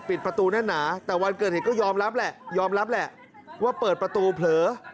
ปิดประตูแน่นหนาแต่วันเกิดเหตุก็ยอมรับแหละยอมรับแหละว่าเปิดประตูเผลอ